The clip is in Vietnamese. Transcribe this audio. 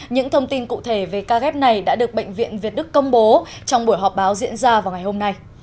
những thông tin cụ thể về ca ghép này đã được bệnh viện việt đức công bố trong buổi họp báo diễn ra vào ngày hôm nay